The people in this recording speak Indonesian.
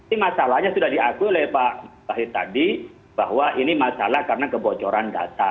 ini masalahnya sudah diakui oleh pak wahid tadi bahwa ini masalah karena kebocoran data